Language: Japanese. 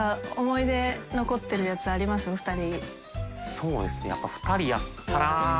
そうですね緑川）